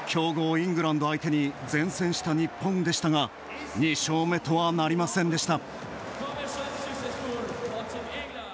イングランド相手に善戦した日本でしたが２勝目とはなりませんでした。